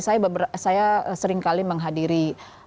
saya seringkali menghadiri